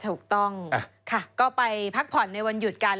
ถูกต้องค่ะก็ไปพักผ่อนในวันหยุดกัน